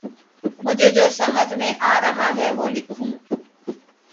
مجھے جو سمجھ میں آرہا ہے وہ لکھوں